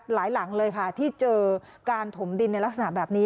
หลังเลยค่ะที่เจอการถมดินในลักษณะแบบนี้